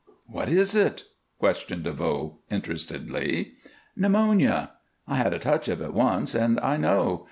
"What is it?" questioned DeVoe, interestedly. "Pneumonia! I had a touch of it once, and I know.